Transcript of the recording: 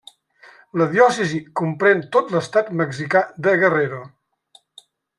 La diòcesi comprèn tot l'estat mexicà de Guerrero.